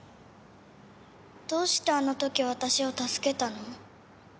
どうしてあの時私を助けたの？